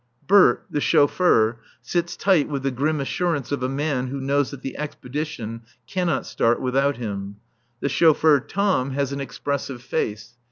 Bert, the chauffeur, sits tight with the grim assurance of a man who knows that the expedition cannot start without him. The chauffeur Tom has an expressive face.